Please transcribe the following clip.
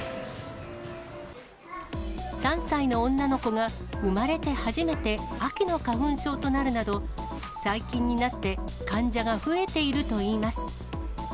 ３歳の女の子が生まれて初めて、秋の花粉症となるなど、最近になって、患者が増えているといいます。